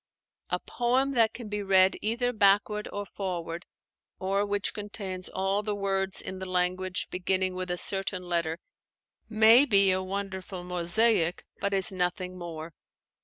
A poem that can be read either backward or forward, or which contains all the words in the language beginning with a certain letter, may be a wonderful mosaic, but is nothing more.